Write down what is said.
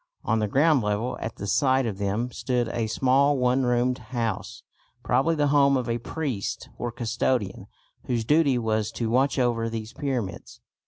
On the ground level at the side of them stood a small one roomed house, probably the home of a priest or custodian whose duty was to watch over these pyramids.